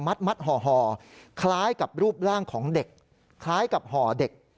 มัดห่อคล้ายกับรูปร่างของเด็กคล้ายกับห่อเด็ก